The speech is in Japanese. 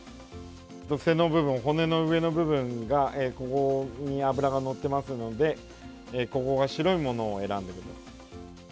背の部分、骨の上の部分がここに脂がのってますのでここが白いものを選んでください。